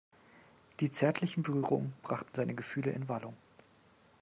Die zärtlichen Berührungen brachten seine Gefühle in Wallung.